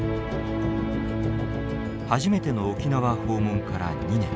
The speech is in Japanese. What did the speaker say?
初めての沖縄訪問から２年。